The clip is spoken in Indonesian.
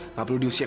nggak perlu diusir